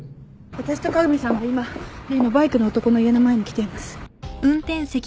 私と加賀美さんは今例のバイクの男の家の前に来ています。